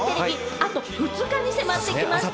あと２日に迫ってきました。